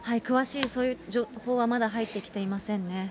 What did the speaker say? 詳しい、そういう情報はまだ入ってきていませんね。